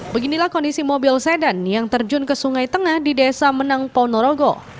beginilah kondisi mobil sedan yang terjun ke sungai tengah di desa menang ponorogo